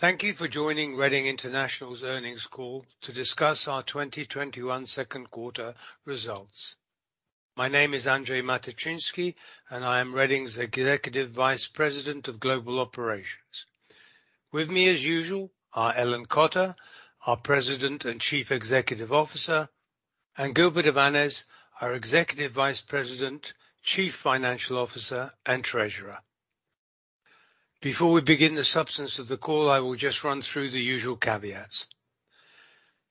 Thank you for joining Reading International's earnings call to discuss our 2021 second quarter results. My name is Andrzej Matyczynski, and I am Reading's Executive Vice President of Global Operations. With me, as usual, are Ellen Cotter, our President and Chief Executive Officer, and Gilbert Avanes, our Executive Vice President, Chief Financial Officer, and Treasurer. Before we begin the substance of the call, I will just run through the usual caveats.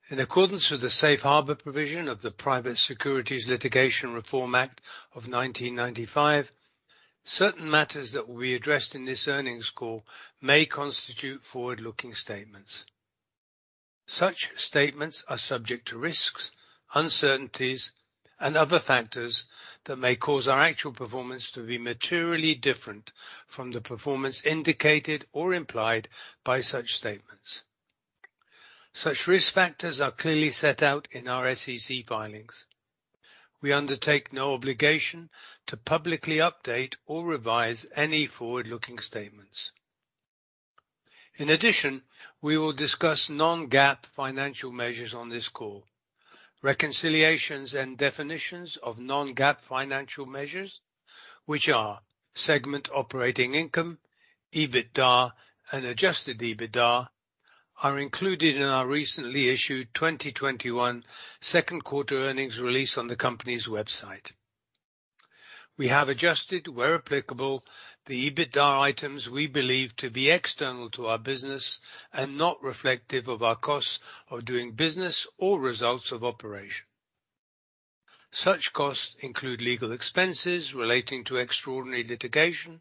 In accordance with the safe harbor provision of the Private Securities Litigation Reform Act of 1995, certain matters that will be addressed in this earnings call may constitute forward-looking statements. Such statements are subject to risks, uncertainties, and other factors that may cause our actual performance to be materially different from the performance indicated or implied by such statements. Such risk factors are clearly set out in our SEC filings. We undertake no obligation to publicly update or revise any forward-looking statements. In addition, we will discuss non-GAAP financial measures on this call. Reconciliations and definitions of non-GAAP financial measures, which are segment operating income, EBITDA, and adjusted EBITDA, are included in our recently issued 2021 second quarter earnings release on the company's website. We have adjusted, where applicable, the EBITDA items we believe to be external to our business and not reflective of our costs of doing business or results of operation. Such costs include legal expenses relating to extraordinary litigation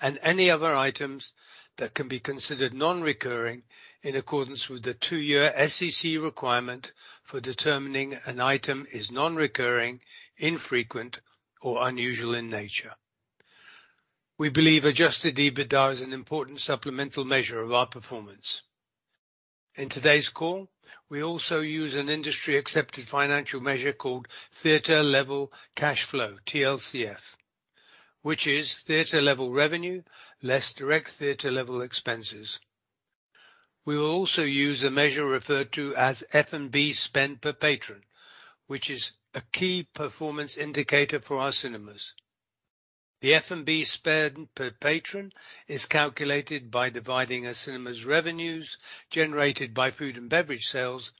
and any other items that can be considered non-recurring in accordance with the two-year SEC requirement for determining an item is non-recurring, infrequent, or unusual in nature. We believe adjusted EBITDA is an important supplemental measure of our performance. In today's call, we also use an industry-accepted financial measure called theater level cash flow, TLCF. Which is theater level revenue less direct theater level expenses. We will also use a measure referred to as F&B spend per patron, which is a key performance indicator for our cinemas. The F&B spend per patron is calculated by dividing a cinema's revenues generated by food and beverage sales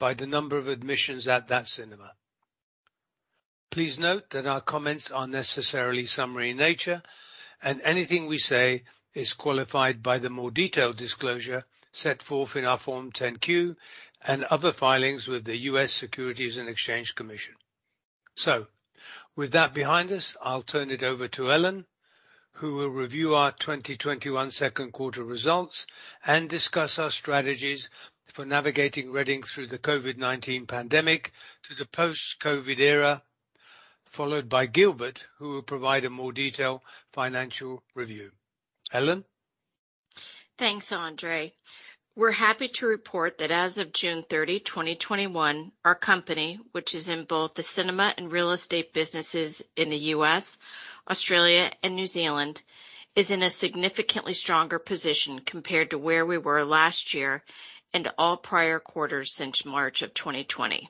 by the number of admissions at that cinema. Please note that our comments are necessarily summary in nature, and anything we say is qualified by the more detailed disclosure set forth in our Form 10-Q and other filings with the U.S. Securities and Exchange Commission. With that behind us, I'll turn it over to Ellen, who will review our 2021 second quarter results and discuss our strategies for navigating Reading through the COVID-19 pandemic to the post-COVID era, followed by Gilbert, who will provide a more detailed financial review. Ellen? Thanks, Andrzej. We're happy to report that as of June 30, 2021, our company, which is in both the cinema and real estate businesses in the U.S., Australia, and New Zealand, is in a significantly stronger position compared to where we were last year and all prior quarters since March of 2020.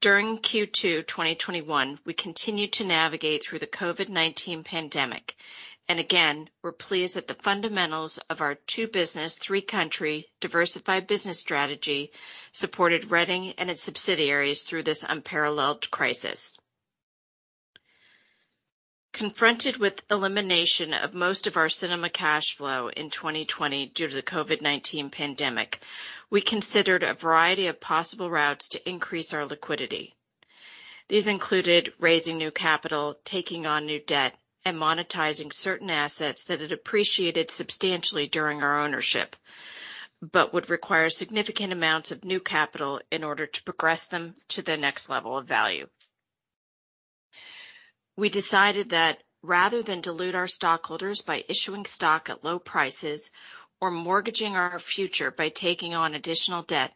During Q2 2021, we continued to navigate through the COVID-19 pandemic, and again, we're pleased that the fundamentals of our two business, three country diversified business strategy supported Reading and its subsidiaries through this unparalleled crisis. Confronted with elimination of most of our cinema cash flow in 2020 due to the COVID-19 pandemic, we considered a variety of possible routes to increase our liquidity. These included raising new capital, taking on new debt, and monetizing certain assets that had appreciated substantially during our ownership but would require significant amounts of new capital in order to progress them to their next level of value. We decided that rather than dilute our stockholders by issuing stock at low prices or mortgaging our future by taking on additional debt,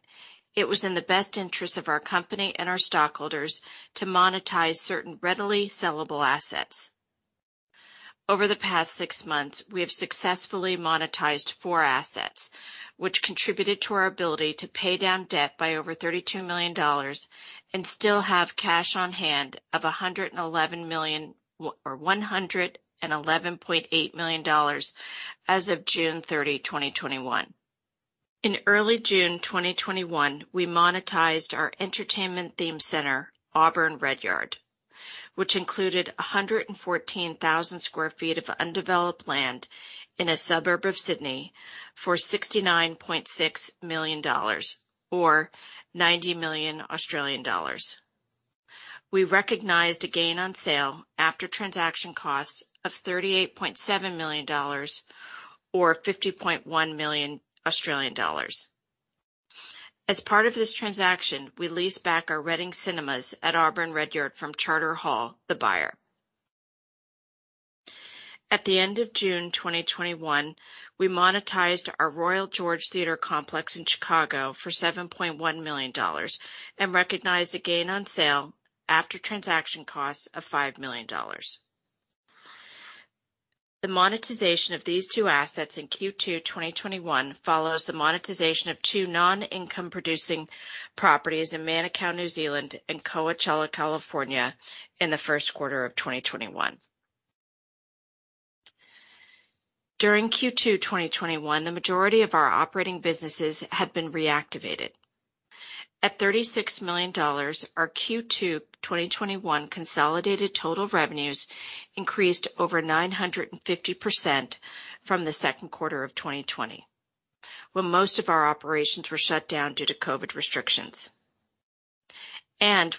it was in the best interest of our company and our stockholders to monetize certain readily sellable assets. Over the past six months, we have successfully monetized four assets, which contributed to our ability to pay down debt by over $32 million and still have cash on hand of $111 million or $111.8 million as of June 30, 2021. In early June 2021, we monetized our entertainment theme centre, Auburn Redyard, which included 114,000 sq ft of undeveloped land in a suburb of Sydney for $69.6 million or 90 million Australian dollars. We recognized a gain on sale after transaction costs of $38.7 million or 50.1 million Australian dollars. As part of this transaction, we leased back our Reading Cinemas at Auburn Redyard from Charter Hall, the buyer. At the end of June 2021, we monetized our Royal George Theatre complex in Chicago for $7.1 million and recognized a gain on sale after transaction costs of $5 million. The monetization of these two assets in Q2 2021 follows the monetization of two non-income producing properties in Manukau, New Zealand, and Coachella, California in the first quarter of 2021. During Q2 2021, the majority of our operating businesses had been reactivated. At $36 million, our Q2 2021 consolidated total revenues increased over 950% from the second quarter of 2020, when most of our operations were shut down due to COVID restrictions.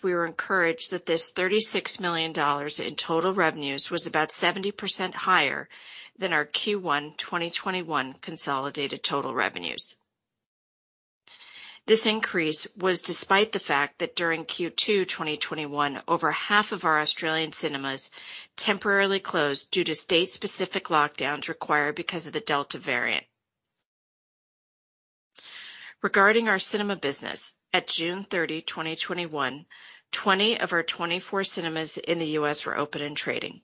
We were encouraged that this $36 million in total revenues was about 70% higher than our Q1 2021 consolidated total revenues. This increase was despite the fact that during Q2 2021, over half of our Australian cinemas temporarily closed due to state specific lockdowns required because of the Delta variant. Regarding our cinema business, at June 30, 2021, 20 of our 24 cinemas in the U.S. were open and trading.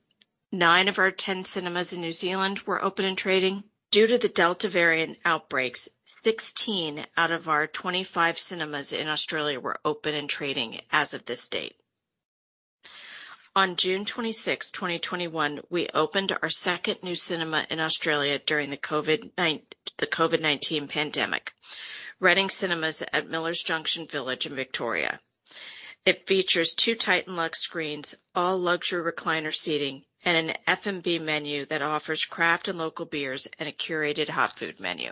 Nine of our 10 cinemas in New Zealand were open and trading. Due to the Delta variant outbreaks, 16 out of our 25 cinemas in Australia were open and trading as of this date. On June 26, 2021, we opened our second new cinema in Australia during the COVID-19 pandemic, Reading Cinemas at Millers Junction Village in Victoria. It features two TITAN LUXE screens, all luxury recliner seating, and an F&B menu that offers craft and local beers and a curated hot food menu.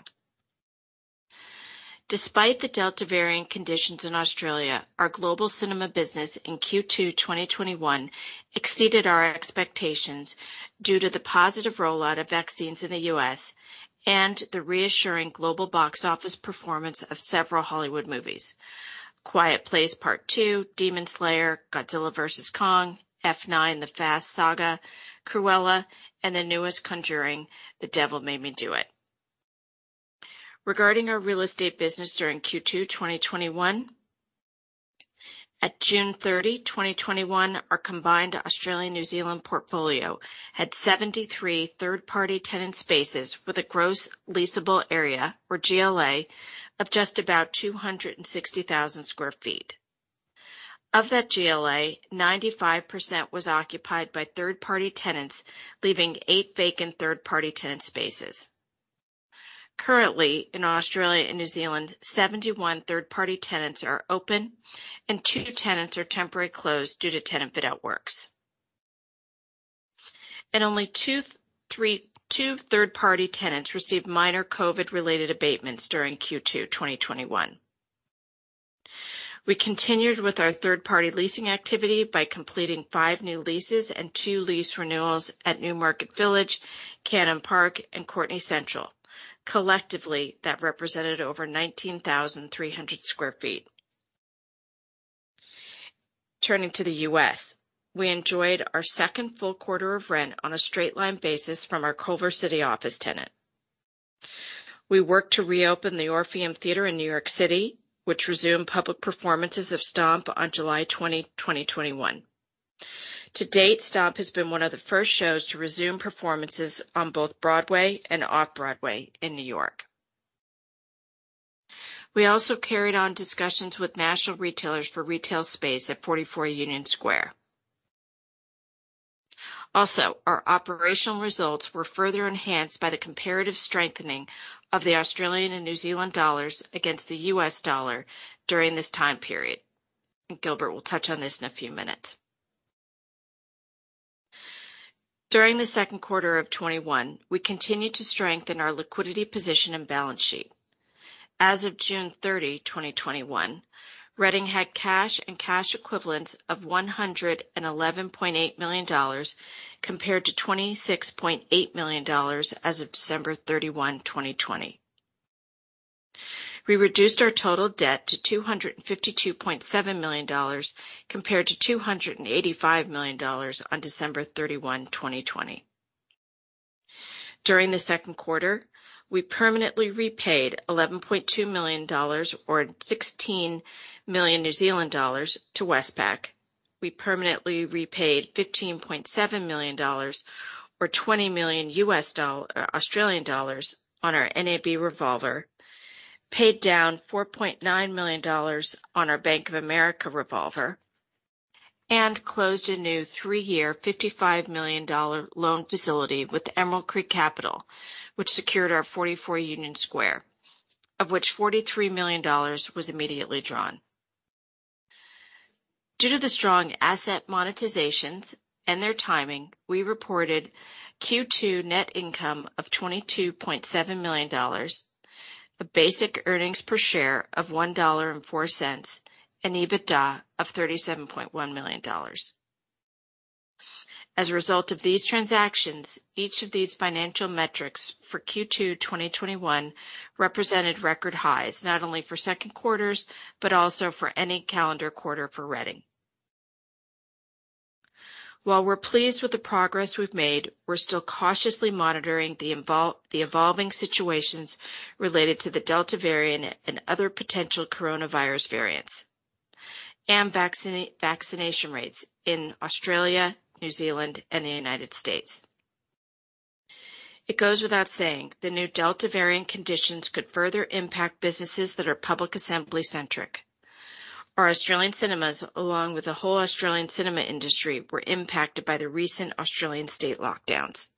Despite the Delta variant conditions in Australia, our global cinema business in Q2 2021 exceeded our expectations due to the positive rollout of vaccines in the U.S. and the reassuring global box office performance of several Hollywood movies. "A Quiet Place Part II," "Demon Slayer," "Godzilla vs. Kong," "F9: The Fast Saga," "Cruella," and the newest "Conjuring," "The Devil Made Me Do It." Regarding our real estate business during Q2 2021, at June 30, 2021, our combined Australian-New Zealand portfolio had 73 third-party tenant spaces with a gross leasable area, or GLA, of just about 260,000 sq ft. Of that GLA, 95% was occupied by third-party tenants, leaving eight vacant third-party tenant spaces. Currently, in Australia and New Zealand, 71 third-party tenants are open and two tenants are temporarily closed due to tenant fit-out works. Only two third-party tenants received minor COVID-related abatements during Q2 2021. We continued with our third-party leasing activity by completing five new leases and two lease renewals at Newmarket Village, Cannon Park and Courtenay Central. Collectively, that represented over 19,300 sq ft. Turning to the U.S., we enjoyed our second full quarter of rent on a straight line basis from our Culver City office tenant. We worked to reopen the Orpheum Theatre in New York City, which resumed public performances of STOMP on July 20, 2021. To date, STOMP has been one of the first shows to resume performances on both Broadway and off Broadway in New York. We also carried on discussions with national retailers for retail space at 44 Union Square. Our operational results were further enhanced by the comparative strengthening of the Australian and New Zealand dollars against the US dollar during this time period, and Gilbert will touch on this in a few minutes. During the second quarter of 2021, we continued to strengthen our liquidity position and balance sheet. As of June 30, 2021, Reading had cash and cash equivalents of $111.8 million compared to $26.8 million as of December 31, 2020. We reduced our total debt to $252.7 million, compared to $285 million on December 31, 2020. During the second quarter, we permanently repaid $11.2 million or 16 million New Zealand dollars to Westpac. We permanently repaid $15.7 million or AUD 20 million on our NAB revolver, paid down $4.9 million on our Bank of America revolver, and closed a new three-year $55 million loan facility with Emerald Creek Capital, which secured our 44 Union Square, of which $43 million was immediately drawn. Due to the strong asset monetizations and their timing, we reported Q2 net income of $22.7 million, a basic earnings per share of $1.04, and EBITDA of $37.1 million. As a result of these transactions, each of these financial metrics for Q2 2021 represented record highs, not only for second quarters, but also for any calendar quarter for Reading. While we're pleased with the progress we've made, we're still cautiously monitoring the evolving situations related to the Delta variant and other potential coronavirus variants and vaccination rates in Australia, New Zealand, and the U.S. It goes without saying, the new Delta variant conditions could further impact businesses that are public assembly centric. Our Australian cinemas, along with the whole Australian cinema industry, were impacted by the recent Australian state lockdowns.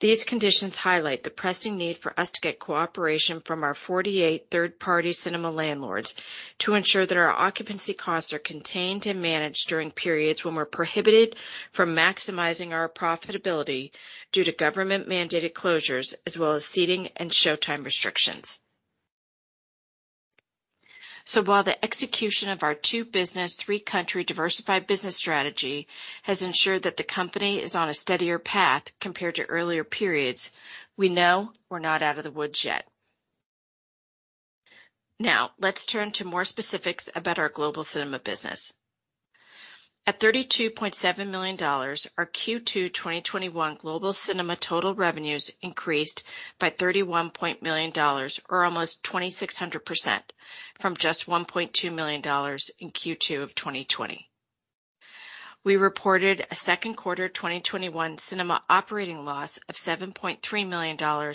These conditions highlight the pressing need for us to get cooperation from our 48 third-party cinema landlords to ensure that our occupancy costs are contained and managed during periods when we're prohibited from maximizing our profitability due to government-mandated closures, as well as seating and showtime restrictions. While the execution of our two business, three country diversified business strategy has ensured that the company is on a steadier path compared to earlier periods, we know we're not out of the woods yet. Let's turn to more specifics about our global cinema business. At $32.7 million, our Q2 2021 global cinema total revenues increased by $31 million. Almost 2,600% from just $1.2 million in Q2 of 2020. We reported a second quarter 2021 cinema operating loss of $7.3 million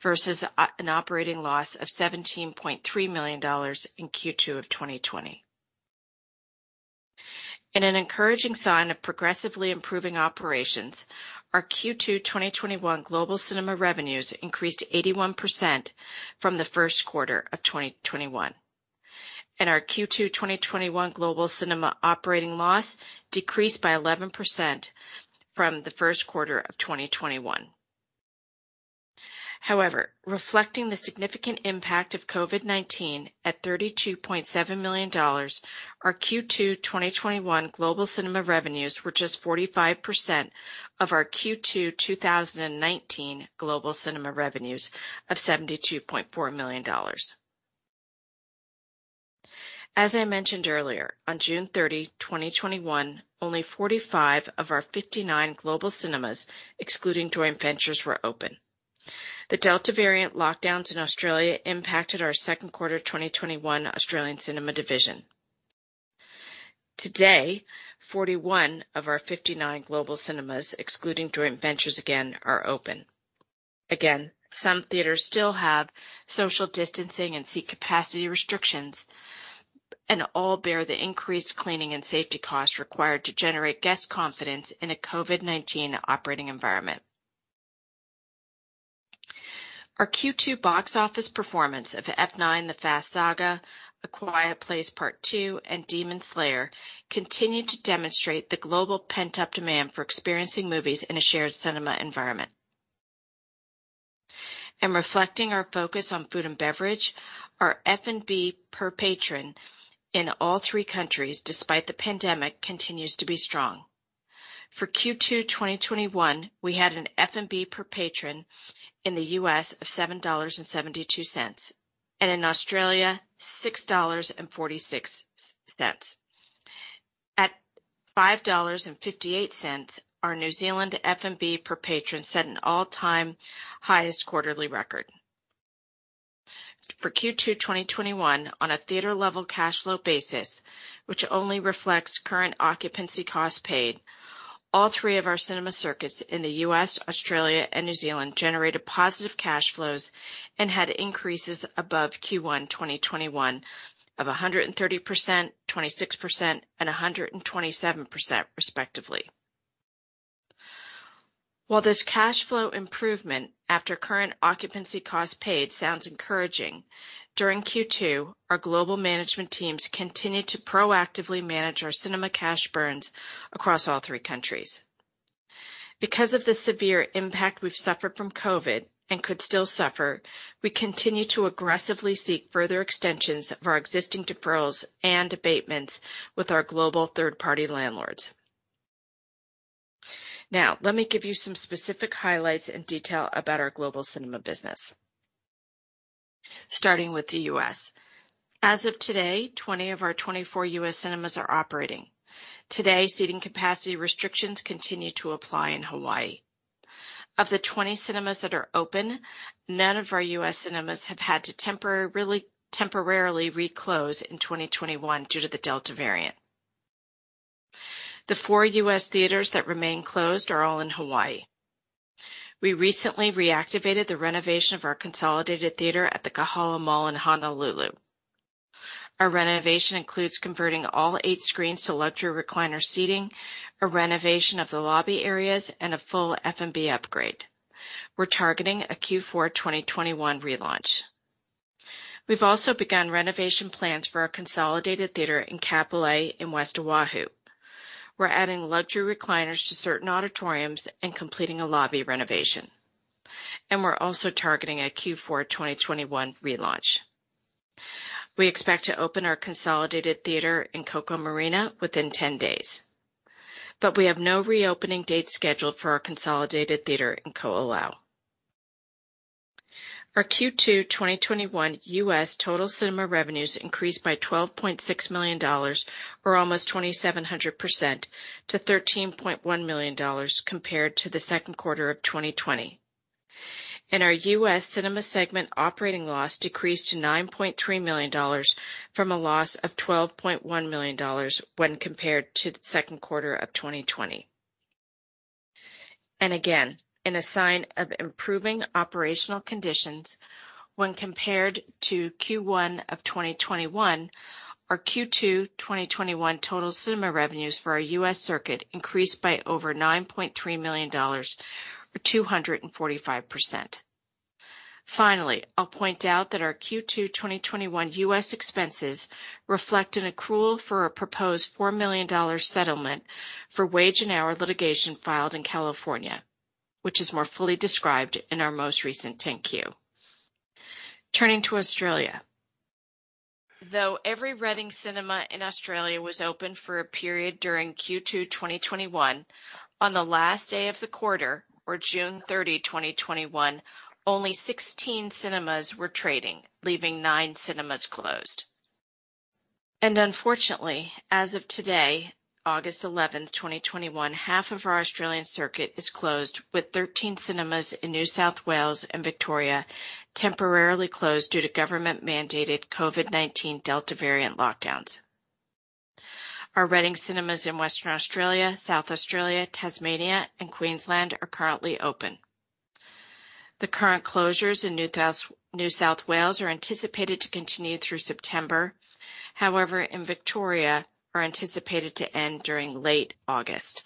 versus an operating loss of $17.3 million in Q2 of 2020. In an encouraging sign of progressively improving operations, our Q2 2021 global cinema revenues increased 81% from the first quarter of 2021. Our Q2 2021 global cinema operating loss decreased by 11% from the first quarter of 2021. However, reflecting the significant impact of COVID-19, at $32.7 million, our Q2 2021 global cinema revenues were just 45% of our Q2 2019 global cinema revenues of $72.4 million. As I mentioned earlier, on June 30, 2021, only 45 of our 59 global cinemas, excluding joint ventures, were open. The Delta variant lockdowns in Australia impacted our second quarter 2021 Australian cinema division. Today, 41 of our 59 global cinemas, excluding joint ventures again, are open. Some theaters still have social distancing and seat capacity restrictions, and all bear the increased cleaning and safety costs required to generate guest confidence in a COVID-19 operating environment. Our Q2 box office performance of F9: The Fast Saga, A Quiet Place Part II, and Demon Slayer continued to demonstrate the global pent-up demand for experiencing movies in a shared cinema environment. Reflecting our focus on food and beverage, our F&B per patron in all three countries, despite the pandemic, continues to be strong. For Q2 2021, we had an F&B per patron in the U.S. of $7.72, and in Australia, 6.46 dollars. At 5.58 dollars, our New Zealand F&B per patron set an all-time highest quarterly record. For Q2 2021, on a theater level cash flow basis, which only reflects current occupancy costs paid, all three of our cinema circuits in the U.S., Australia, and New Zealand generated positive cash flows and had increases above Q1 2021 of 130%, 26%, and 127%, respectively. While this cash flow improvement after current occupancy costs paid sounds encouraging, during Q2, our global management teams continued to proactively manage our cinema cash burns across all three countries. Because of the severe impact we've suffered from COVID, and could still suffer, we continue to aggressively seek further extensions of our existing deferrals and abatements with our global third-party landlords. Let me give you some specific highlights and detail about our global cinema business. Starting with the U.S. As of today, 20 of our 24 U.S. cinemas are operating. Today, seating capacity restrictions continue to apply in Hawaii. Of the 20 cinemas that are open, none of our U.S. cinemas have had to temporarily re-close in 2021 due to the Delta variant. The four U.S. theaters that remain closed are all in Hawaii. We recently reactivated the renovation of our Consolidated Theater at the Kahala Mall in Honolulu. Our renovation includes converting all eight screens to luxury recliner seating, a renovation of the lobby areas, and a full F&B upgrade. We're targeting a Q4 2021 relaunch. We've also begun renovation plans for our Consolidated Theater in Kapolei in West Oahu. We're adding luxury recliners to certain auditoriums and completing a lobby renovation. We're also targeting a Q4 2021 relaunch. We expect to open our Consolidated Theater in Koko Marina within 10 days. We have no reopening date scheduled for our Consolidated Theater in Ko'olau. Our Q2 2021 U.S. total cinema revenues increased by $12.6 million, or almost 2,700%, to $13.1 million compared to the second quarter of 2020. Our U.S. cinema segment operating loss decreased to $9.3 million from a loss of $12.1 million when compared to the second quarter of 2020. Again, in a sign of improving operational conditions when compared to Q1 of 2021, our Q2 2021 total cinema revenues for our U.S. circuit increased by over $9.3 million or 245%. Finally, I'll point out that our Q2 2021 U.S. expenses reflect an accrual for a proposed $4 million settlement for wage and hour litigation filed in California, which is more fully described in our most recent 10-Q. Turning to Australia. Though every Reading Cinemas in Australia was open for a period during Q2 2021, on the last day of the quarter, or June 30, 2021, only 16 cinemas were trading, leaving nine cinemas closed. Unfortunately, as of today, August 11, 2021, half of our Australian circuit is closed, with 13 cinemas in New South Wales and Victoria temporarily closed due to government-mandated COVID-19 Delta variant lockdowns. Our Reading Cinemas in Western Australia, South Australia, Tasmania and Queensland are currently open. The current closures in New South Wales are anticipated to continue through September. However, in Victoria, are anticipated to end during late August.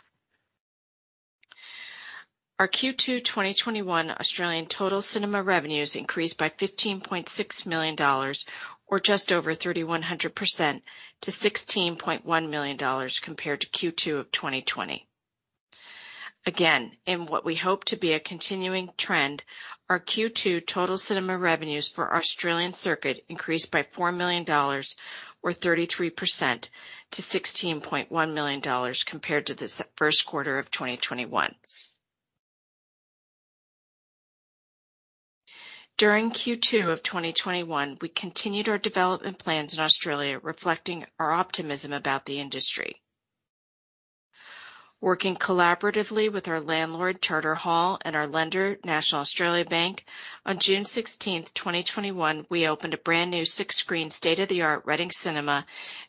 Our Q2 2021 Australian total cinema revenues increased by $15.6 million or just over 3,100% to $16.1 million compared to Q2 of 2020. Again, in what we hope to be a continuing trend, our Q2 total cinema revenues for our Australian circuit increased by $4 million or 33% to $16.1 million compared to the first quarter of 2021. During Q2 of 2021, we continued our development plans in Australia, reflecting our optimism about the industry. Working collaboratively with our landlord, Charter Hall, and our lender, National Australia Bank, on June 16th, 2021, we opened a brand-new six-screen state-of-the-art Reading Cinemas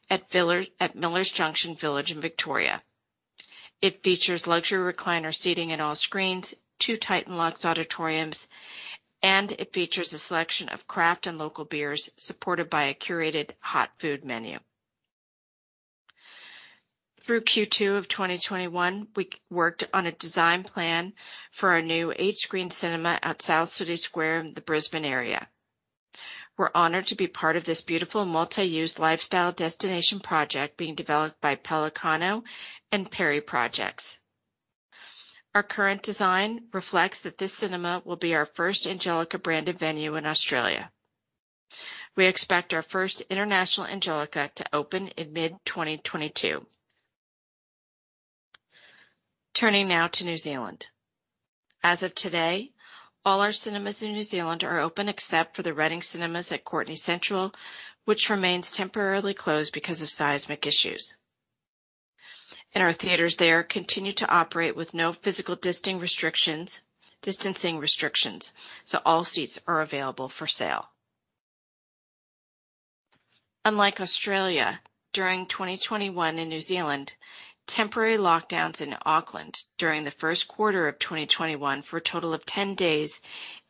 at Millers Junction in Victoria. It features luxury recliner seating in all screens, two TITAN LUXE auditoriums, and it features a selection of craft and local beers supported by a curated hot food menu. Through Q2 of 2021, we worked on a design plan for our new eight-screen cinema at South City Square in the Brisbane area. We're honored to be part of this beautiful multi-use lifestyle destination project being developed by Pellicano and Perri Projects. Our current design reflects that this cinema will be our first Angelika-branded venue in Australia. We expect our first international Angelika to open in mid-2022. Turning now to New Zealand. As of today, all our cinemas in New Zealand are open except for the Reading Cinemas at Courtenay Central, which remains temporarily closed because of seismic issues. Our theaters there continue to operate with no physical distancing restrictions, so all seats are available for sale. Unlike Australia, during 2021 in New Zealand, temporary lockdowns in Auckland during the first quarter of 2021 for a total of 10 days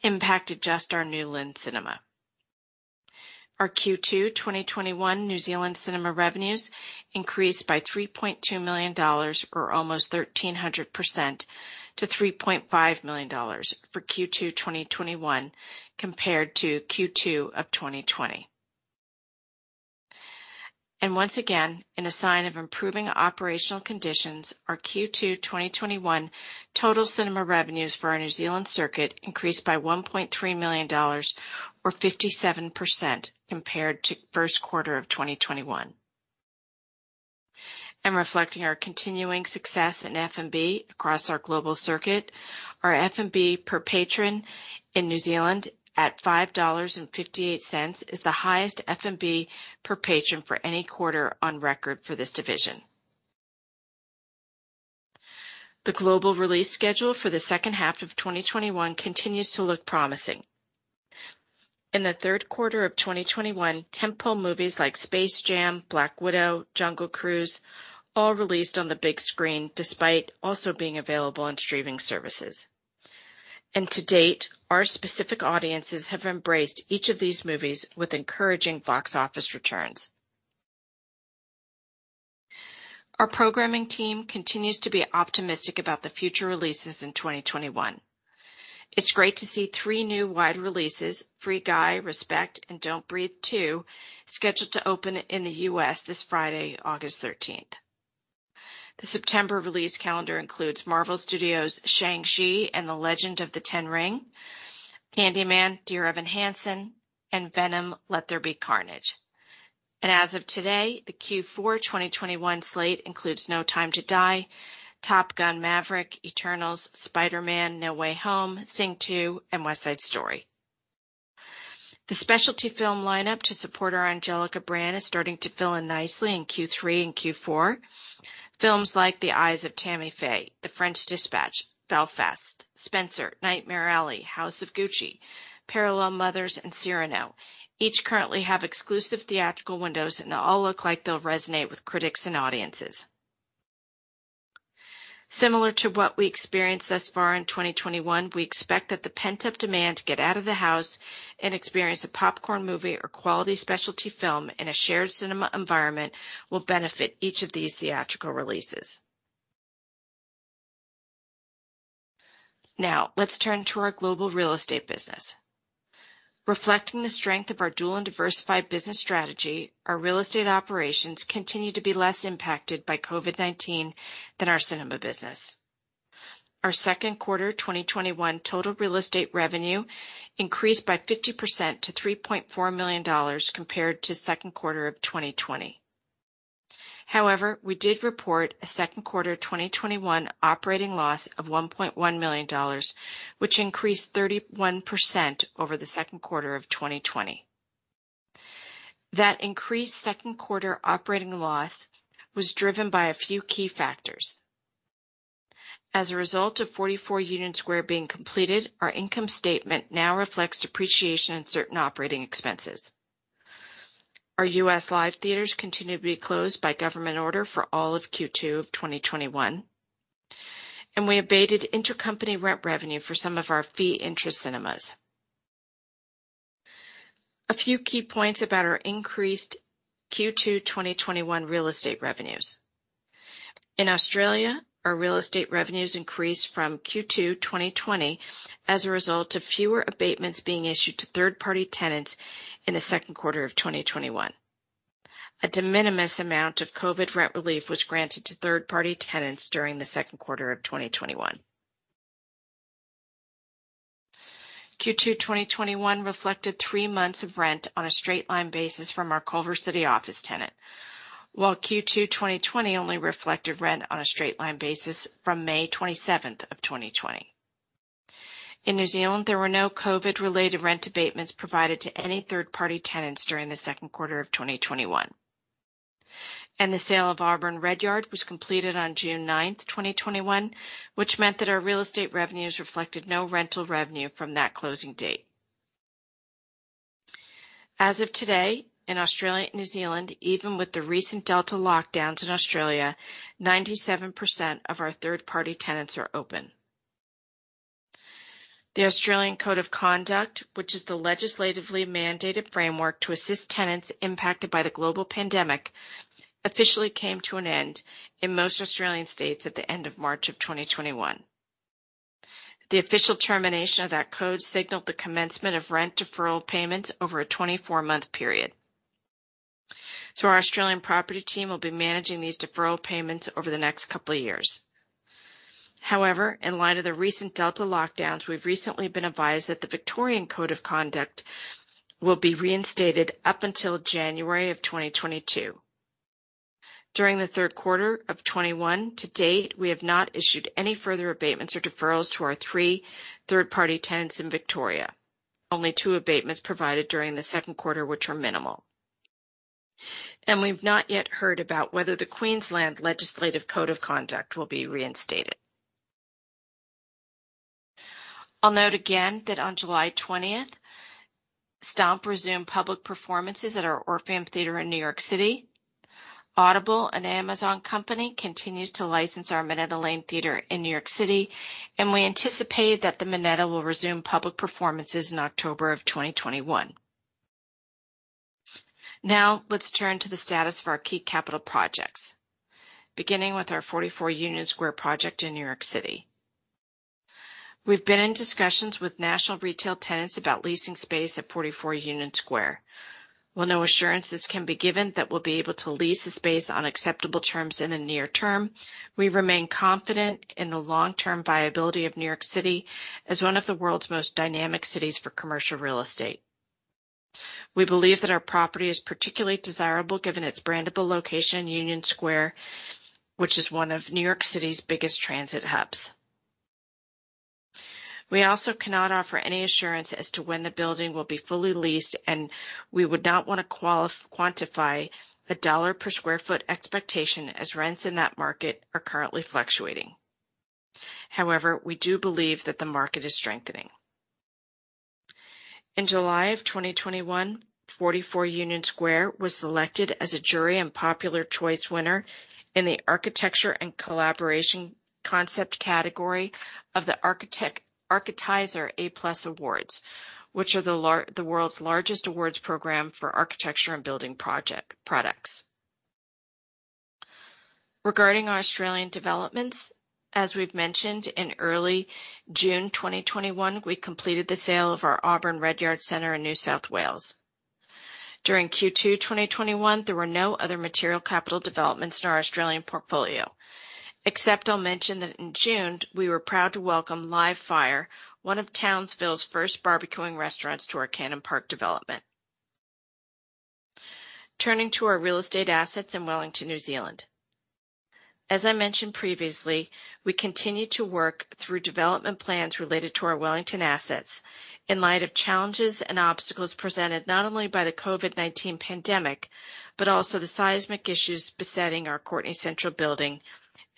impacted just our New Lynn Cinema. Our Q2 2021 New Zealand cinema revenues increased by $3.2 million or almost 1,300% to $3.5 million for Q2 2021 compared to Q2 of 2020. Once again, in a sign of improving operational conditions, our Q2 2021 total cinema revenues for our New Zealand circuit increased by $1.3 million or 57% compared to first quarter 2021. Reflecting our continuing success in F&B across our global circuit, our F&B per patron in New Zealand at $5.58 is the highest F&B per patron for any quarter on record for this division. The global release schedule for the second half 2021 continues to look promising. In the third quarter 2021, tent-pole movies like "Space Jam," "Black Widow," "Jungle Cruise," all released on the big screen despite also being available on streaming services. To date, our specific audiences have embraced each of these movies with encouraging box office returns. Our programming team continues to be optimistic about the future releases in 2021. It's great to see three new wide releases, "Free Guy," "Respect" and "Don't Breathe 2," scheduled to open in the U.S. this Friday, August 13th. The September release calendar includes Marvel Studios' "Shang-Chi and the Legend of the Ten Rings," "Candyman," "Dear Evan Hansen" and "Venom: Let There Be Carnage." As of today, the Q4 2021 slate includes "No Time to Die," "Top Gun: Maverick," "Eternals," "Spider-Man: No Way Home," "Sing 2," and "West Side Story." The specialty film lineup to support our Angelika brand is starting to fill in nicely in Q3 and Q4. Films like The Eyes of Tammy Faye, The French Dispatch, Belfast, Spencer, Nightmare Alley, House of Gucci, Parallel Mothers, and Cyrano each currently have exclusive theatrical windows, and all look like they'll resonate with critics and audiences. Similar to what we experienced thus far in 2021, we expect that the pent-up demand to get out of the house and experience a popcorn movie or quality specialty film in a shared cinema environment will benefit each of these theatrical releases. Let's turn to our global real estate business. Reflecting the strength of our dual and diversified business strategy, our real estate operations continue to be less impacted by COVID-19 than our cinema business. Our second quarter 2021 total real estate revenue increased by 50% to $3.4 million compared to second quarter of 2020. We did report a second quarter 2021 operating loss of $1.1 million, which increased 31% over the second quarter of 2020. That increased second quarter operating loss was driven by a few key factors. As a result of 44 Union Square being completed, our income statement now reflects depreciation and certain operating expenses. Our U.S. live theaters continue to be closed by government order for all of Q2 of 2021. We abated intercompany rent revenue for some of our fee interest cinemas. A few key points about our increased Q2 2021 real estate revenues. In Australia, our real estate revenues increased from Q2 2020 as a result of fewer abatements being issued to third-party tenants in the second quarter of 2021. A de minimis amount of COVID rent relief was granted to third-party tenants during the second quarter of 2021. Q2 2021 reflected three months of rent on a straight-line basis from our Culver City office tenant, while Q2 2020 only reflected rent on a straight-line basis from May 27th of 2020. In New Zealand, there were no COVID-related rent abatements provided to any third-party tenants during the second quarter of 2021. The sale of Auburn Redyard was completed on June 9th, 2021, which meant that our real estate revenues reflected no rental revenue from that closing date. As of today, in Australia and New Zealand, even with the recent Delta lockdowns in Australia, 97% of our third-party tenants are open. The Australian Code of Conduct, which is the legislatively mandated framework to assist tenants impacted by the global pandemic, officially came to an end in most Australian states at the end of March of 2021. The official termination of that code signaled the commencement of rent deferral payments over a 24-month period. Our Australian property team will be managing these deferral payments over the next couple of years. However, in light of the recent Delta lockdowns, we've recently been advised that the Victorian Code of Conduct will be reinstated up until January of 2022. During the third quarter of 2021 to date, we have not issued any further abatements or deferrals to our three third-party tenants in Victoria. Only two abatements provided during the second quarter, which were minimal. We've not yet heard about whether the Queensland Legislative Code of Conduct will be reinstated. I'll note again that on July 20th, STOMP resumed public performances at our Orpheum Theatre in New York City. Audible, an Amazon company, continues to license our Minetta Lane Theatre in New York City, and we anticipate that the Minetta will resume public performances in October of 2021. Let's turn to the status of our key capital projects, beginning with our 44 Union Square project in New York City. We've been in discussions with national retail tenants about leasing space at 44 Union Square. While no assurances can be given that we'll be able to lease the space on acceptable terms in the near term, we remain confident in the long-term viability of New York City as one of the world's most dynamic cities for commercial real estate. We believe that our property is particularly desirable given its brandable location, Union Square, which is one of New York City's biggest transit hubs. We also cannot offer any assurance as to when the building will be fully leased, and we would not want to quantify a dollar per sq ft expectation as rents in that market are currently fluctuating. We do believe that the market is strengthening. In July of 2021, 44 Union Square was selected as a jury and popular choice winner in the Architecture and Collaboration Concept category of the Architizer A+Awards, which are the world's largest awards program for architecture and building products. Regarding our Australian developments, as we've mentioned, in early June 2021, we completed the sale of our Auburn Redyard Center in New South Wales. During Q2 2021, there were no other material capital developments in our Australian portfolio, except I'll mention that in June, we were proud to welcome Live Fire, one of Townsville's first barbecuing restaurants, to our Cannon Park development. Turning to our real estate assets in Wellington, New Zealand. As I mentioned previously, we continue to work through development plans related to our Wellington assets in light of challenges and obstacles presented not only by the COVID-19 pandemic, but also the seismic issues besetting our Courtenay Central building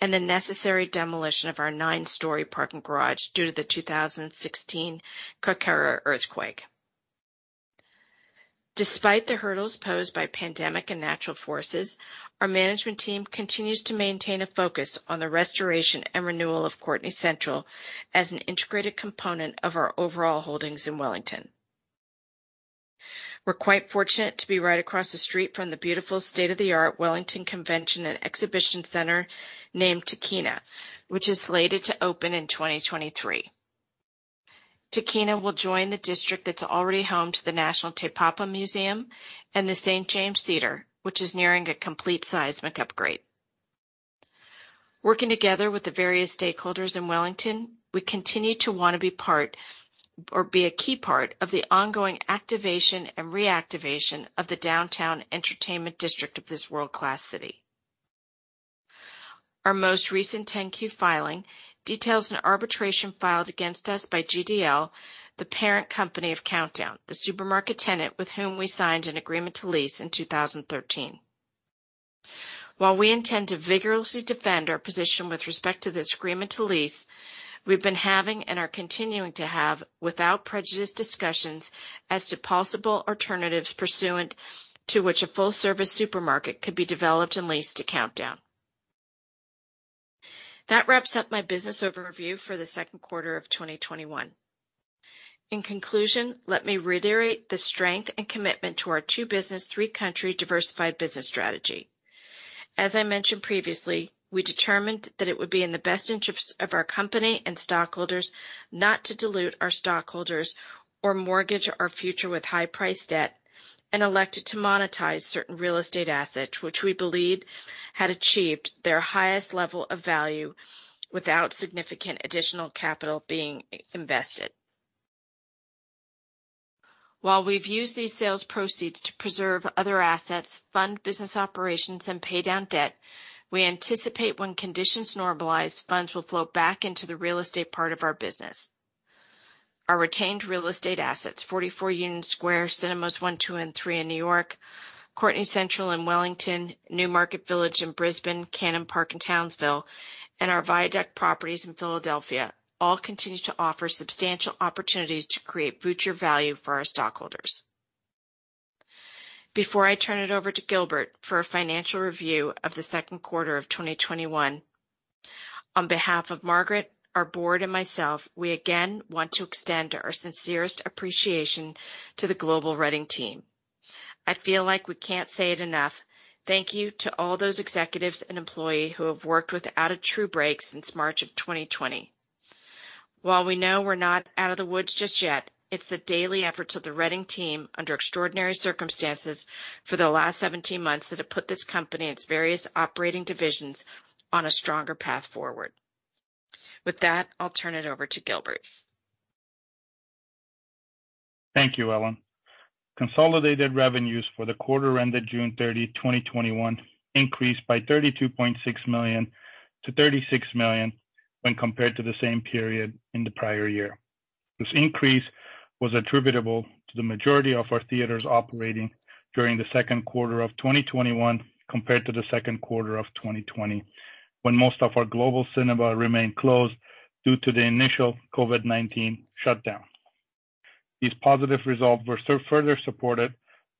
and the necessary demolition of our nine-story parking garage due to the 2016 Kaikōura earthquake. Despite the hurdles posed by pandemic and natural forces, our management team continues to maintain a focus on the restoration and renewal of Courtenay Central as an integrated component of our overall holdings in Wellington. We're quite fortunate to be right across the street from the beautiful state-of-the-art Wellington Convention and Exhibition Centre named Tākina, which is slated to open in 2023. Tākina will join the district that's already home to the National Te Papa Museum and the St. James Theatre, which is nearing a complete seismic upgrade. Working together with the various stakeholders in Wellington, we continue to want to be a key part of the ongoing activation and reactivation of the downtown entertainment district of this world-class city. Our most recent 10-Q filing details an arbitration filed against us by GDL, the parent company of Countdown, the supermarket tenant with whom we signed an agreement to lease in 2013. While we intend to vigorously defend our position with respect to this agreement to lease, we've been having, and are continuing to have, without prejudice, discussions as to possible alternatives pursuant to which a full-service supermarket could be developed and leased to Countdown. That wraps up my business overview for the second quarter of 2021. In conclusion, let me reiterate the strength and commitment to our two-business, three-country diversified business strategy. As I mentioned previously, we determined that it would be in the best interest of our company and stockholders not to dilute our stockholders or mortgage our future with high-priced debt, and elected to monetize certain real estate assets, which we believe had achieved their highest level of value without significant additional capital being invested. While we've used these sales proceeds to preserve other assets, fund business operations, and pay down debt, we anticipate when conditions normalize, funds will flow back into the real estate part of our business. Our retained real estate assets, 44 Union Square Cinemas one, two, and three in New York, Courtenay Central in Wellington, Newmarket Village in Brisbane, Cannon Park in Townsville, and our Viaduct properties in Philadelphia, all continue to offer substantial opportunities to create future value for our stockholders. Before I turn it over to Gilbert for a financial review of the second quarter of 2021, on behalf of Margaret, our board, and myself, we again want to extend our sincerest appreciation to the global Reading team. I feel like we can't say it enough, thank you to all those executives and employees who have worked without a true break since March of 2020. While we know we're not out of the woods just yet, it's the daily efforts of the Reading team under extraordinary circumstances for the last 17 months that have put this company and its various operating divisions on a stronger path forward. With that, I'll turn it over to Gilbert. Thank you, Ellen. Consolidated revenues for the quarter ended June 30, 2021, increased by $32.6 million to $36 million when compared to the same period in the prior year. This increase was attributable to the majority of our theaters operating during the second quarter of 2021 compared to the second quarter of 2020, when most of our global cinema remained closed due to the initial COVID-19 shutdown. These positive results were further supported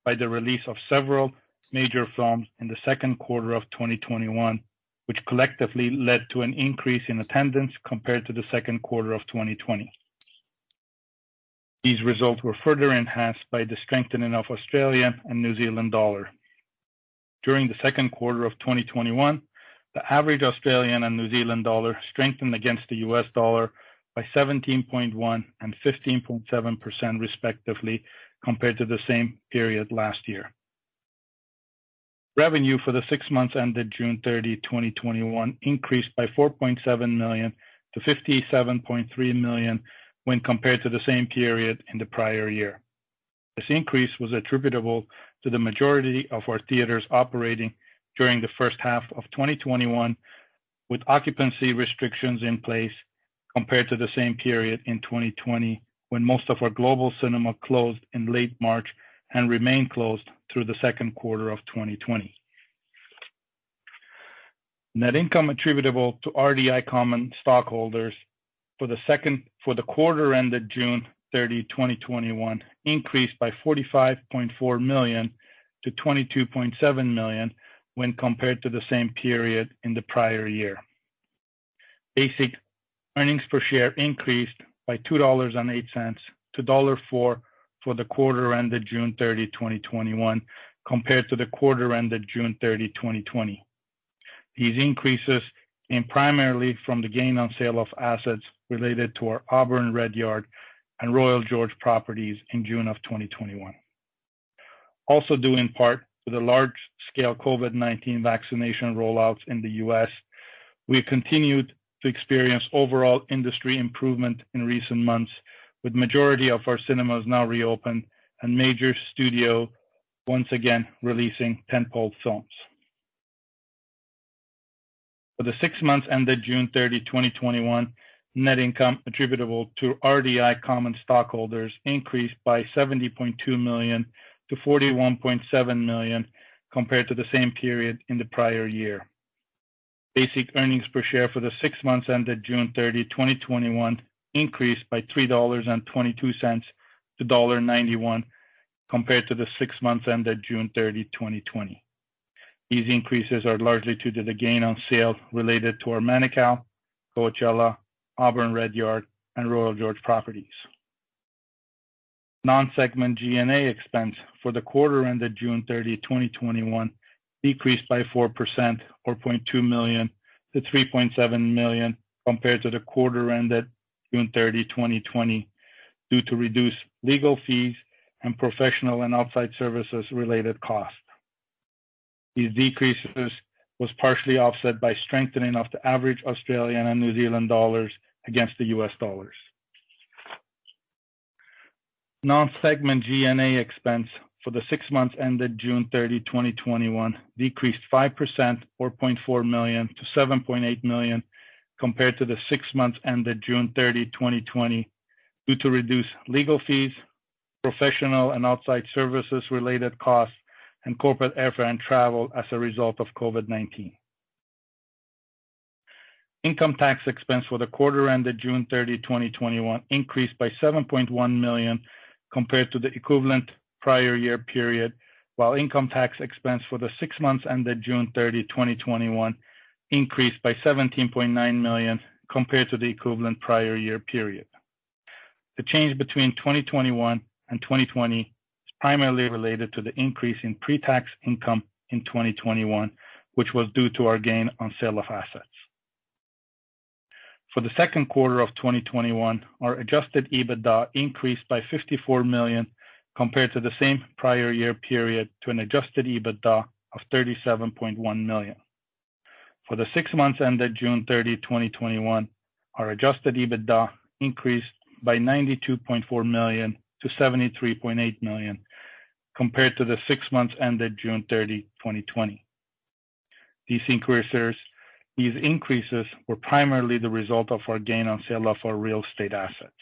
by the release of several major films in the second quarter of 2021, which collectively led to an increase in attendance compared to the second quarter of 2020. These results were further enhanced by the strengthening of Australian and New Zealand dollar. During the second quarter of 2021, the average Australian and New Zealand dollar strengthened against the U.S. dollar by 17.1% and 15.7%, respectively, compared to the same period last year. Revenue for the six months ended June 30, 2021, increased by $4.7 million to $57.3 million when compared to the same period in the prior year. This increase was attributable to the majority of our theaters operating during the first half of 2021, with occupancy restrictions in place, compared to the same period in 2020, when most of our global cinema closed in late March and remained closed through the second quarter of 2020. Net income attributable to RDI common stockholders for the quarter ended June 30, 2021, increased by $45.4 million to $22.7 million when compared to the same period in the prior year. Basic earnings per share increased by $2.08 to $1.04 for the quarter ended June 30, 2021, compared to the quarter ended June 30, 2020. These increases came primarily from the gain on sale of assets related to our Auburn Redyard and Royal George properties in June 2021. Also due in part to the large-scale COVID-19 vaccination rollouts in the U.S. We have continued to experience overall industry improvement in recent months, with majority of our cinemas now reopened and major studio once again releasing tentpole films. For the six months ended June 30, 2021, net income attributable to RDI common stockholders increased by $70.2 million to $41.7 million compared to the same period in the prior year. Basic earnings per share for the six months ended June 30, 2021, increased by $3.22 to $1.91 compared to the six months ended June 30, 2020. These increases are largely due to the gain on sale related to our Manukau, Coachella, Auburn Redyard, and Royal George properties. Non-segment G&A expense for the quarter ended June 30, 2021, decreased by 4% or $0.2 million to $3.7 million compared to the quarter ended June 30, 2020 due to reduced legal fees and professional and outside services related costs. These decreases was partially offset by strengthening of the average Australian and New Zealand dollars against the U.S. dollars. Non-segment G&A expense for the six months ended June 30, 2021, decreased 5% or $4.4 million to $7.8 million compared to the six months ended June 30, 2020 due to reduced legal fees, professional and outside services related costs, and corporate airfare and travel as a result of COVID-19. Income tax expense for the quarter ended June 30, 2021, increased by $7.1 million compared to the equivalent prior year period, while income tax expense for the six months ended June 30, 2021, increased by $17.9 million compared to the equivalent prior year period. The change between 2021 and 2020 is primarily related to the increase in pre-tax income in 2021, which was due to our gain on sale of assets. For the second quarter of 2021, our adjusted EBITDA increased by $54 million compared to the same prior year period to an adjusted EBITDA of $37.1 million. For the six months ended June 30, 2021, our adjusted EBITDA increased by $92.4 million to $73.8 million compared to the six months ended June 30, 2020. These increases were primarily the result of our gain on sale of our real estate assets.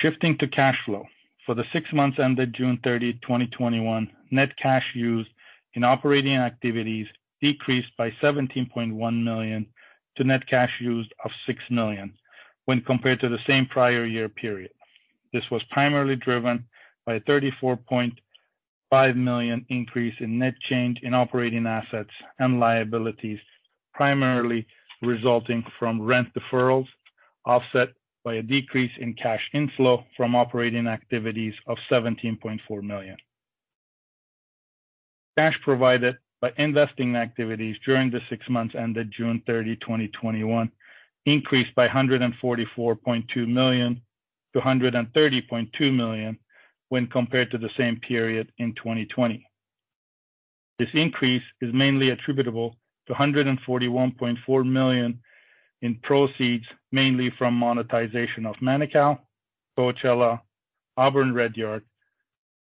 Shifting to cash flow. For the six months ended June 30, 2021, net cash used in operating activities decreased by $17.1 million to net cash used of $6 million when compared to the same prior year period. This was primarily driven by a $34.5 million increase in net change in operating assets and liabilities, primarily resulting from rent deferrals offset by a decrease in cash inflow from operating activities of $17.4 million. Cash provided by investing activities during the six months ended June 30, 2021, increased by $144.2 million to $130.2 million when compared to the same period in 2020. This increase is mainly attributable to $141.4 million in proceeds, mainly from monetization of Manukau, Coachella, Auburn Redyard,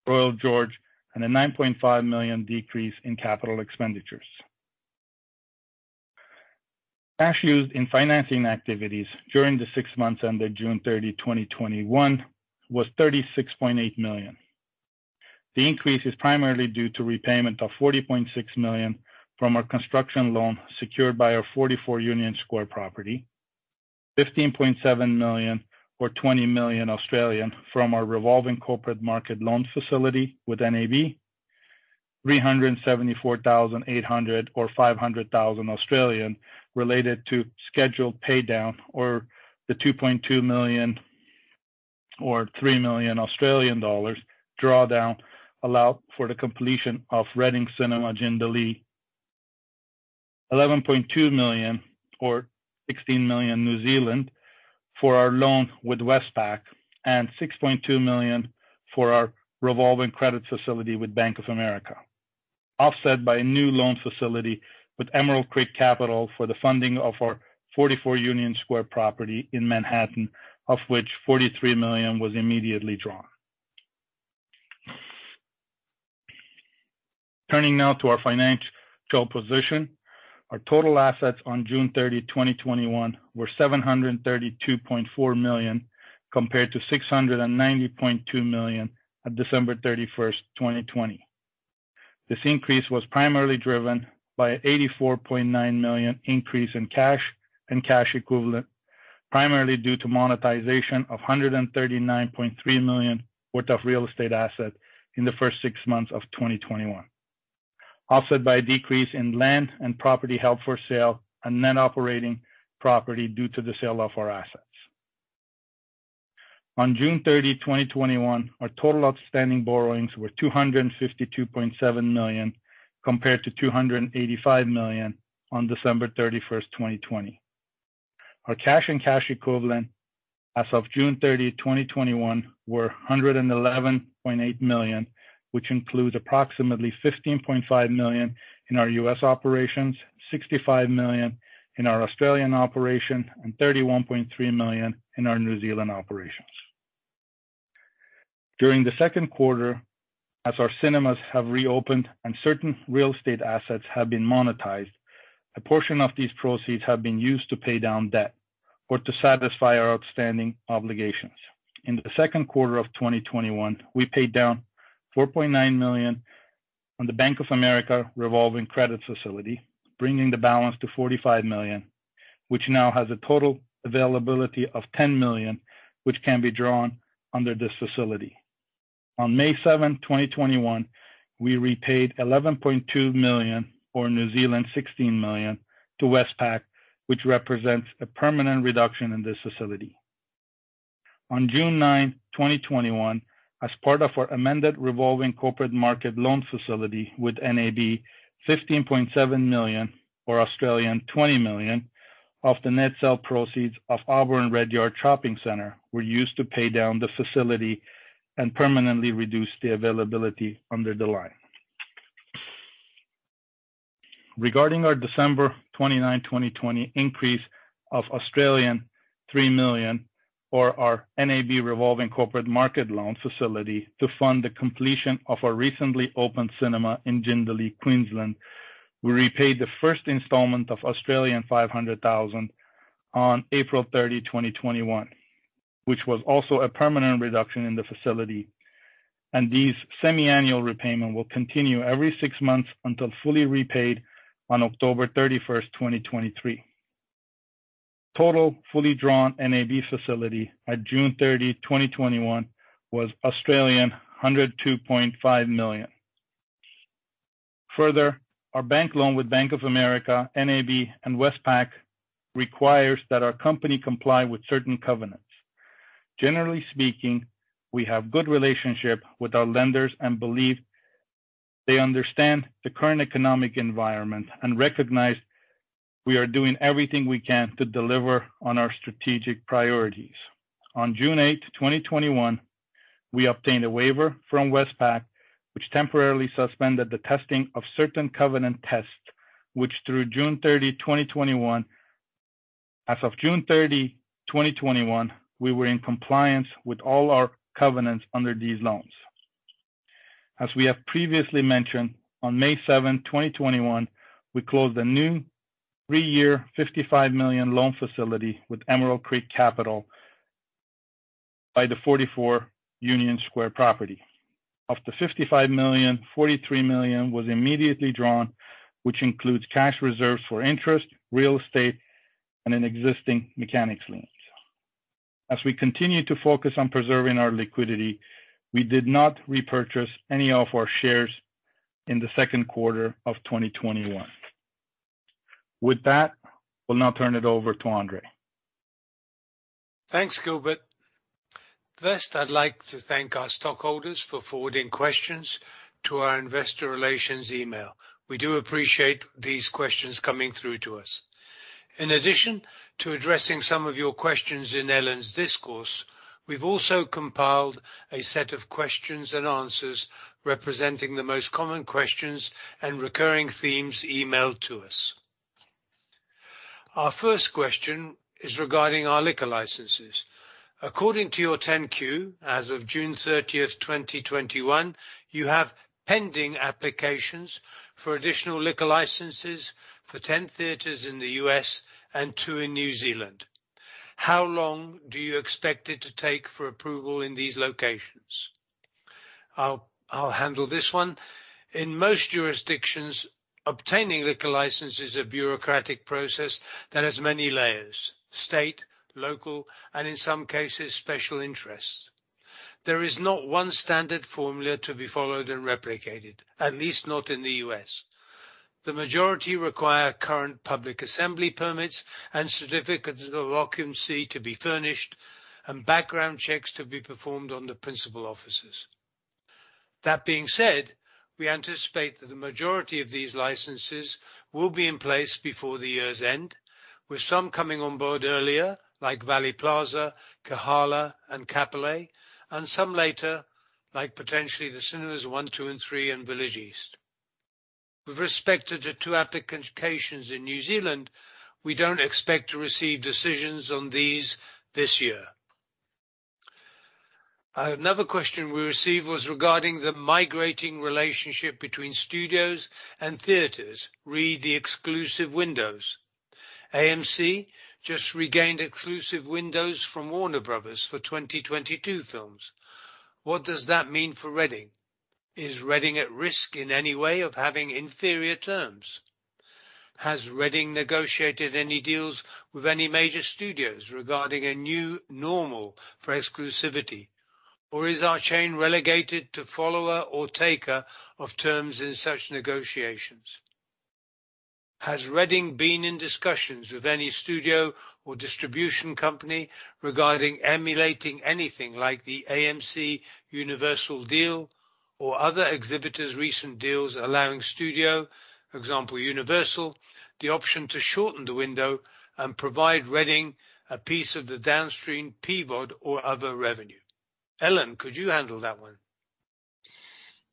Royal George, and a $9.5 million decrease in capital expenditures. Cash used in financing activities during the six months ended June 30, 2021, was $36.8 million. The increase is primarily due to repayment of $40.6 million from our construction loan secured by our 44 Union Square property, $15.7 million or 20 million from our revolving corporate market loan facility with NAB, $374,800 or 500,000 related to scheduled paydown or the $2.2 million or 3 million Australian dollars drawdown allowed for the completion of Reading Cinemas, Jindalee, $11.2 million or 16 million for our loan with Westpac, and $6.2 million for our revolving credit facility with Bank of America, offset by a new loan facility with Emerald Creek Capital for the funding of our 44 Union Square property in Manhattan, of which $43 million was immediately drawn. Turning now to our financial position. Our total assets on June 30, 2021, were $732.4 million compared to $690.2 million on December 31st, 2020. This increase was primarily driven by $84.9 million increase in cash and cash equivalent, primarily due to monetization of $139.3 million worth of real estate asset in the first six months of 2021, offset by a decrease in land and property held for sale and net operating property due to the sale of our assets. On June 30, 2021, our total outstanding borrowings were $252.7 million compared to $285 million on December 31st, 2020. Our cash and cash equivalent as of June 30, 2021, were $111.8 million, which includes approximately $15.5 million in our U.S. operations, $65 million in our Australian operation, and $31.3 million in our New Zealand operations. During the second quarter, as our cinemas have reopened and certain real estate assets have been monetized, a portion of these proceeds have been used to pay down debt or to satisfy our outstanding obligations. In the second quarter of 2021, we paid down $4.9 million on the Bank of America revolving credit facility, bringing the balance to $45 million, which now has a total availability of $10 million, which can be drawn under this facility. On May 7, 2021, we repaid $11.2 million, or 16 million, to Westpac, which represents a permanent reduction in this facility. On June 9, 2021, as part of our amended revolving corporate market loan facility with NAB, $15.7 million, or 20 million, of the net sale proceeds of Auburn Redyard Shopping Center were used to pay down the facility and permanently reduce the availability under the line. Regarding our December 29, 2020, increase of 3 million for our NAB revolving corporate market loan facility to fund the completion of our recently opened cinema in Jindalee, Queensland, we repaid the first installment of 500,000 on April 30, 2021, which was also a permanent reduction in the facility. These semiannual repayment will continue every six months until fully repaid on October 31st, 2023. Total fully drawn NAB facility at June 30, 2021, was 102.5 million. Our bank loan with Bank of America, NAB, and Westpac requires that our company comply with certain covenants. Generally speaking, we have good relationship with our lenders and believe they understand the current economic environment and recognize we are doing everything we can to deliver on our strategic priorities. On June 8, 2021, we obtained a waiver from Westpac, which temporarily suspended the testing of certain covenant tests. As of June 30, 2021, we were in compliance with all our covenants under these loans. As we have previously mentioned, on May 7, 2021, we closed a new three-year, $55 million loan facility with Emerald Creek Capital by the 44 Union Square property. Of the $55 million, $43 million was immediately drawn, which includes cash reserves for interest, real estate, and an existing mechanics loans. As we continue to focus on preserving our liquidity, we did not repurchase any of our shares in the second quarter of 2021. With that, we will now turn it over to Andrzej. Thanks, Gilbert. First, I'd like to thank our stockholders for forwarding questions to our investor relations email. We do appreciate these questions coming through to us. In addition to addressing some of your questions in Ellen's discourse, we've also compiled a set of questions and answers representing the most common questions and recurring themes emailed to us. Our first question is regarding our liquor licenses. According to your 10-Q, as of June 30th, 2021, you have pending applications for additional liquor licenses for 10 theaters in the U.S. and two in New Zealand. How long do you expect it to take for approval in these locations? I'll handle this one. In most jurisdictions, obtaining liquor license is a bureaucratic process that has many layers: state, local, and in some cases, special interests. There is not one standard formula to be followed and replicated, at least not in the U.S. The majority require current public assembly permits and certificates of occupancy to be furnished and background checks to be performed on the principal officers. That being said, we anticipate that the majority of these licenses will be in place before the year's end, with some coming on board earlier, like Valley Plaza, Kahala, and Kapolei, and some later, like potentially the Cinemas one, two, and three in Village East. With respect to the two applications in New Zealand, we don't expect to receive decisions on these this year. Another question we received was regarding the migrating relationship between studios and theaters, re: the exclusive windows. AMC just regained exclusive windows from Warner Bros. for 2022 films. What does that mean for Reading? Is Reading at risk in any way of having inferior terms? Has Reading negotiated any deals with any major studios regarding a new normal for exclusivity, or is our chain relegated to follower or taker of terms in such negotiations? Has Reading been in discussions with any studio or distribution company regarding emulating anything like the AMC Universal deal, or other exhibitors' recent deals allowing studio, for example, Universal, the option to shorten the window and provide Reading a piece of the downstream PVOD or other revenue? Ellen, could you handle that one?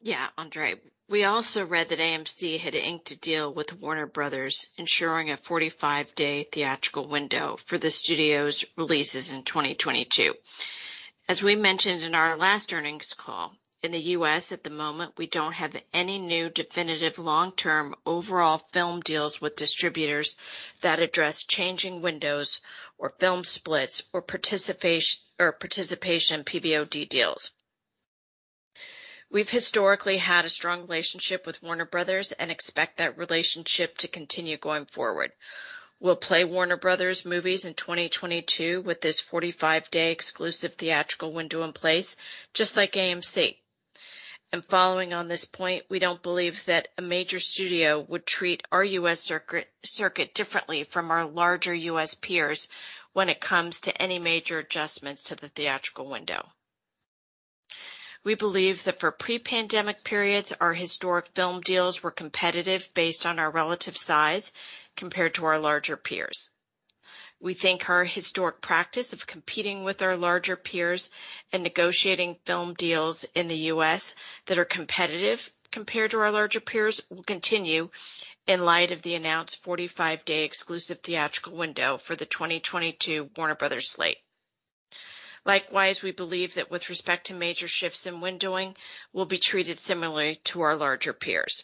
Yeah, Andrzej. We also read that AMC had inked a deal with Warner Bros., ensuring a 45-day theatrical window for the studio's releases in 2022. As we mentioned in our last earnings call, in the U.S. at the moment, we don't have any new definitive long-term overall film deals with distributors that address changing windows or film splits or participation in PVOD deals. We've historically had a strong relationship with Warner Bros. and expect that relationship to continue going forward. We'll play Warner Bros. movies in 2022 with this 45-day exclusive theatrical window in place, just like AMC. Following on this point, we don't believe that a major studio would treat our U.S. circuit differently from our larger U.S. peers when it comes to any major adjustments to the theatrical window. We believe that for pre-pandemic periods, our historic film deals were competitive based on our relative size compared to our larger peers. We think our historic practice of competing with our larger peers and negotiating film deals in the U.S. that are competitive compared to our larger peers will continue in light of the announced 45-day exclusive theatrical window for the 2022 Warner Bros. slate. Likewise, we believe that with respect to major shifts in windowing, we'll be treated similarly to our larger peers.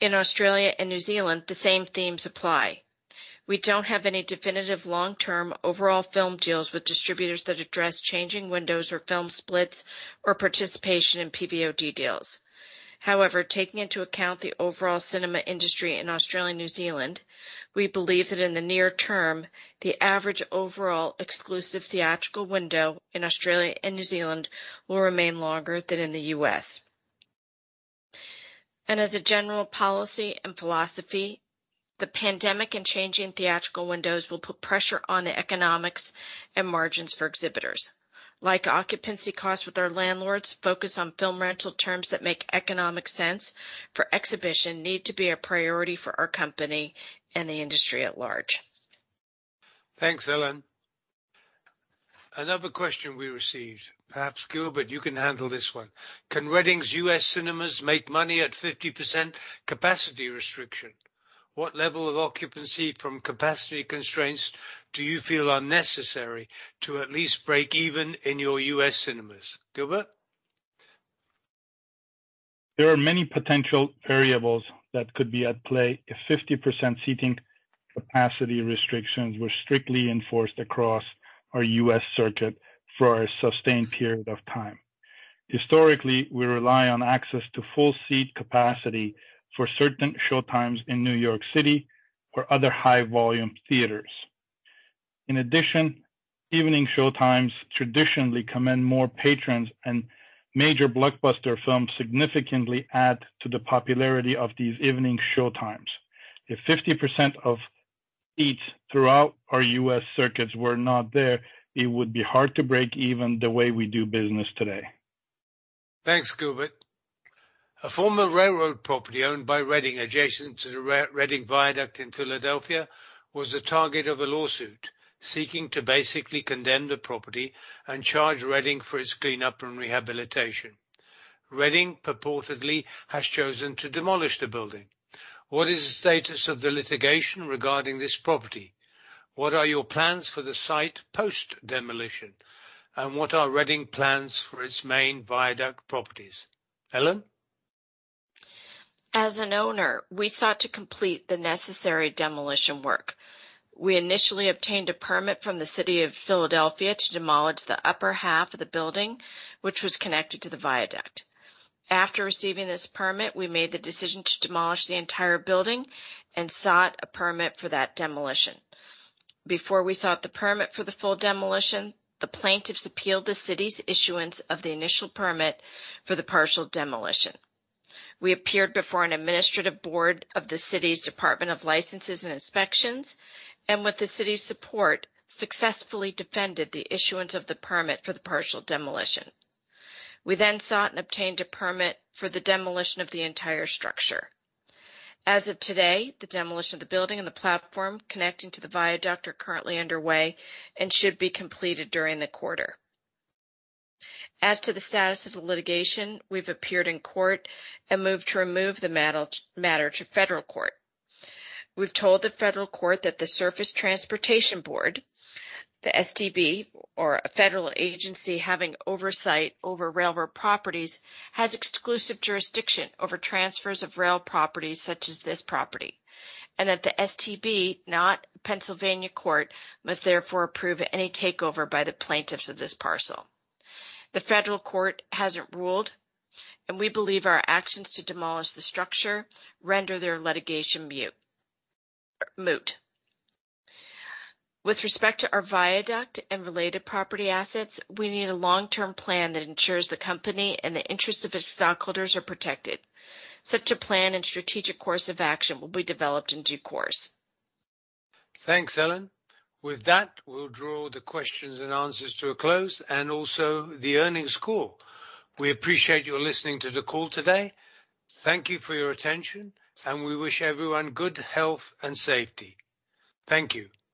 In Australia and New Zealand, the same themes apply. We don't have any definitive long-term overall film deals with distributors that address changing windows or film splits or participation in PVOD deals. However, taking into account the overall cinema industry in Australia and New Zealand, we believe that in the near term, the average overall exclusive theatrical window in Australia and New Zealand will remain longer than in the U.S. As a general policy and philosophy, the pandemic and changing theatrical windows will put pressure on the economics and margins for exhibitors. Like occupancy costs with our landlords, focus on film rental terms that make economic sense for exhibition need to be a priority for our company and the industry at large. Thanks, Ellen. Another question we received. Perhaps, Gilbert, you can handle this one. Can Reading's U.S. cinemas make money at 50% capacity restriction? What level of occupancy from capacity constraints do you feel are necessary to at least break even in your U.S. cinemas? Gilbert? There are many potential variables that could be at play if 50% seating capacity restrictions were strictly enforced across our U.S. circuit for a sustained period of time. Historically, we rely on access to full seat capacity for certain showtimes in New York City or other high-volume theaters. In addition, evening showtimes traditionally command more patrons, and major blockbuster films significantly add to the popularity of these evening showtimes. If 50% of seats throughout our U.S. circuits were not there, it would be hard to break even the way we do business today. Thanks, Gilbert. A former railroad property owned by Reading adjacent to the Reading Viaduct in Philadelphia was the target of a lawsuit seeking to basically condemn the property and charge Reading for its cleanup and rehabilitation. Reading purportedly has chosen to demolish the building. What is the status of the litigation regarding this property? What are your plans for the site post-demolition, and what are Reading plans for its main Viaduct properties? Ellen? As an owner, we sought to complete the necessary demolition work. We initially obtained a permit from the city of Philadelphia to demolish the upper half of the building, which was connected to the Viaduct. After receiving this permit, we made the decision to demolish the entire building and sought a permit for that demolition. Before we sought the permit for the full demolition, the plaintiffs appealed the city's issuance of the initial permit for the partial demolition. We appeared before an administrative board of the city's Department of Licenses and Inspections, and with the city's support, successfully defended the issuance of the permit for the partial demolition. We then sought and obtained a permit for the demolition of the entire structure. As of today, the demolition of the building and the platform connecting to the Viaduct are currently underway and should be completed during the quarter. As to the status of the litigation, we've appeared in court and moved to remove the matter to federal court. We've told the federal court that the Surface Transportation Board, the STB, or a federal agency having oversight over railroad properties, has exclusive jurisdiction over transfers of rail properties such as this property, and that the STB, not Pennsylvania court, must therefore approve any takeover by the plaintiffs of this parcel. We believe our actions to demolish the structure render their litigation moot. With respect to our Viaduct and related property assets, we need a long-term plan that ensures the company and the interest of its stockholders are protected. Such a plan and strategic course of action will be developed in due course. Thanks, Ellen. With that, we'll draw the questions and answers to a close and also the earnings call. We appreciate you listening to the call today. Thank you for your attention, and we wish everyone good health and safety. Thank you